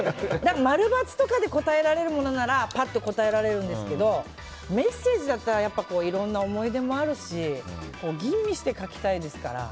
○×とかで答えられるものならパッと答えられるんですけどメッセージだったらいろんな思い出もあるし吟味して書きたいですから。